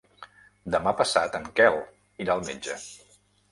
Demà passat en Quel irà al metge.